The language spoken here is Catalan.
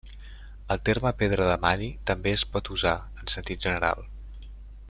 El terme pedra de Mani també es pot usar, en sentit general.